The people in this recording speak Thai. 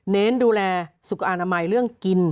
เน้นดูแลสุขอนามัยเรื่องกิน